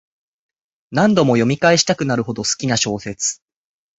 何度も読み返したくなるほど好きな小説